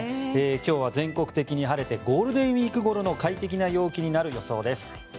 今日は全国的に晴れてゴールデンウィークごろの快適な陽気になる予想です。